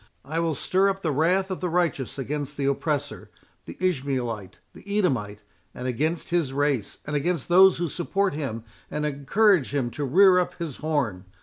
I will stir up the wrath of the righteous against the oppressor—the Ishmaelite—the Edomite—and against his race, and against those who support him and encourage him to rear up his horn.